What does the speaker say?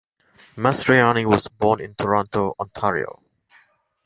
Mastroianni was born in Toronto, Ontario.